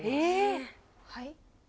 はい？